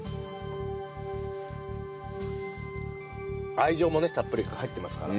愛情もねたっぷり入ってますから。